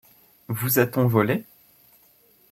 Vous a-t-on volé?